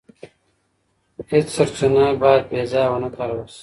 هېڅ سرچینه باید بې ځایه ونه کارول سي.